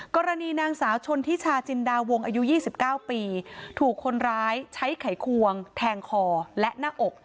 กรณีนางสาวชนทิชาจินดาวงอายุ๒๙ปีถูกคนร้ายใช้ไขควงแทงคอและหน้าอก